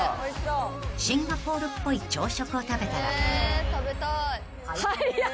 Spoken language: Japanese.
［シンガポールっぽい朝食を食べたら］